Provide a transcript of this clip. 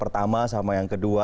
sama sama yang kedua